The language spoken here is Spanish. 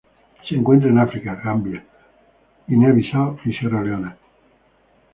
Se encuentran en África: Gambia, Guinea-Bissau y Sierra Leona.